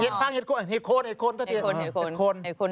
เห็ดฟางเห็ดโคนเห็ดโคนเห็ดโคนเห็ดโคน